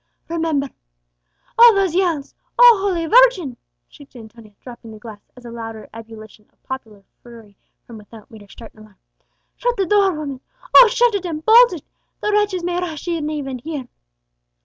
Remember " "Oh, those yells! O holy Virgin!" shrieked Antonia, dropping the glass, as a louder ebullition of popular fury from without made her start in alarm. "Shut the door, woman! oh, shut it and bolt it! the wretches may rush in even here!"